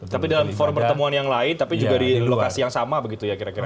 tapi dalam forum pertemuan yang lain tapi juga di lokasi yang sama begitu ya kira kira